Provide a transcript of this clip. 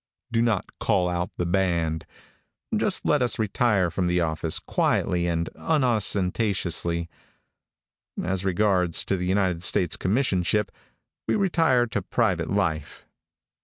Do not call out the band. Just let us retire from the office quietly and unostentatiously. As regards the United States Commissionership, we retire to private life.